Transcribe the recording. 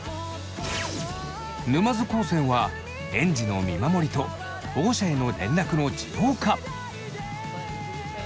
沼津高専は園児の見守りと保護者への連絡の自動化。